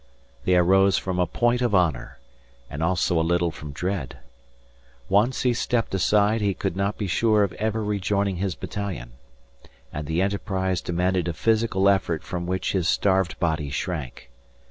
They arose from a point of honour, and also a little from dread. Once he stepped aside he could not be sure of ever rejoining his battalion. And the enterprise demanded a physical effort from which his starved body shrank.